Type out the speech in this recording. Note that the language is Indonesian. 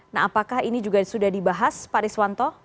nah apakah ini juga sudah dibahas pak riswanto